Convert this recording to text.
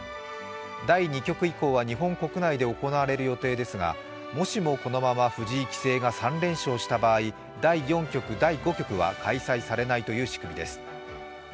第２局以降は日本国内で行われる予定ですが、もしもこのまま藤井棋聖が３連勝した場合第４局、第５局は開催されないという仕組みです。